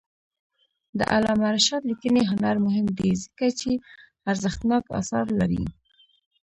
د علامه رشاد لیکنی هنر مهم دی ځکه چې ارزښتناک آثار لري.